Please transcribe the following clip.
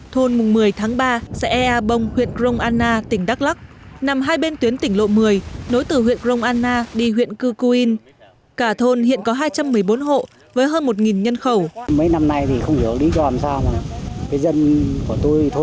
thôn mùng một mươi tháng ba xã ea bông huyện krong anna tỉnh đắk lắc nằm hai bên tuyến tỉnh lộ một mươi